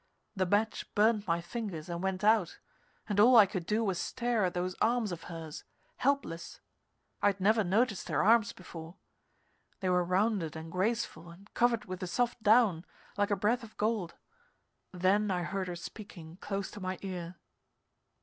The match burned my fingers and went out, and all I could do was stare at those arms of hers, helpless. I'd never noticed her arms before. They were rounded and graceful and covered with a soft down, like a breath of gold. Then I heard her speaking close to my ear.